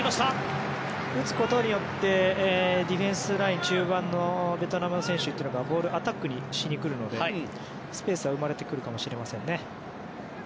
打つことによってディフェンスライン中盤のベトナムの選手がボールにアタックしにくるのでスペースが生まれてくるかもしれませんね。